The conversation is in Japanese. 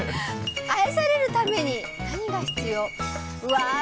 愛されるために何が必要？